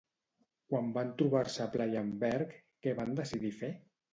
Quan van trobar-se Pla i Enberg, què van decidir fer?